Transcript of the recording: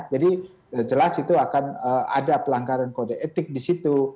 jadi jelas itu akan ada pelanggaran kode etik di situ